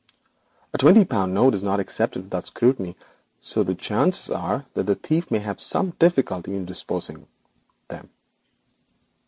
'A twenty pound note is not accepted without scrutiny, so the chances are the thief may find some difficulty in disposing of them.'